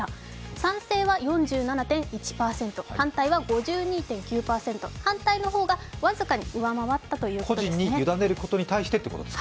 賛成は４７．１％、反対は５２．９％反対の方が僅かに上回ったということですね。